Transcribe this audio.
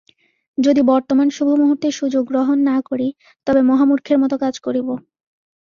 যদি বর্তমান শুভমুহূর্তের সুযোগ গ্রহণ না করি, তবে মহামূর্খের মত কাজ করিব।